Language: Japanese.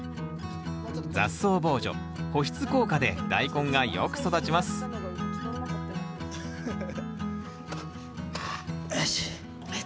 雑草防除保湿効果でダイコンがよく育ちますよし。